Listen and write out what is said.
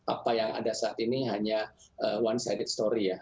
apa yang ada saat ini hanya one seded story ya